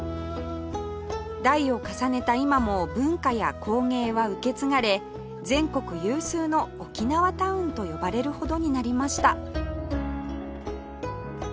代を重ねた今も文化や工芸は受け継がれ全国有数の沖縄タウンと呼ばれるほどになりました